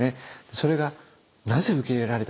それがなぜ受け入れられたのか。